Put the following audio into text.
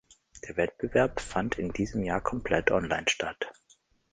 Der Wettbewerb fand in diesem Jahr komplett online statt.